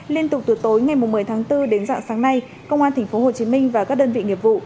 liên tục từ tối ngày một mươi tháng bốn đến dạng sáng nay công an tp hcm và các đơn vị nghiệp vụ